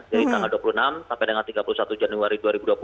dari tanggal dua puluh enam sampai dengan tiga puluh satu januari dua ribu dua puluh